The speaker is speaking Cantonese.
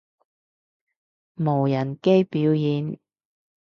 無人機表演